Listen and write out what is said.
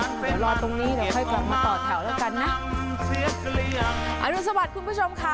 เดี๋ยวรอตรงนี้เดี๋ยวค่อยกลับมาต่อแถวแล้วกันนะอรุณสวัสดิ์คุณผู้ชมค่ะ